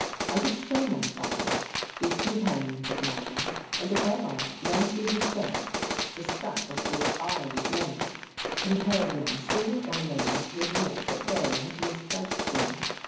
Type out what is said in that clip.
I would show my father, these companions of mine, and above all Nancy herself the stuff of which I was made, compel them sooner or later to admit that they had misjudged me.